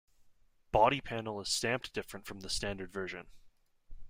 Body panel is stamped different from the standard version.